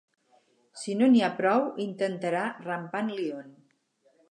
Si no n'hi ha prou, intentarà Rampant Lion.